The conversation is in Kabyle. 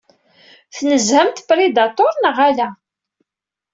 Tnezzhemt Predator neɣ ala?